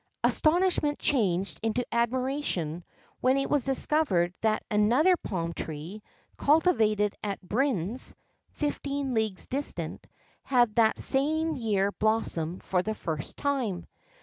Astonishment changed into admiration when it was discovered that another palm tree, cultivated at Brindes (fifteen leagues distant), had that same year blossomed for the first time.